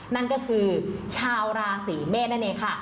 นั่นก็คือชาวราศีเมษนั่นเองค่ะ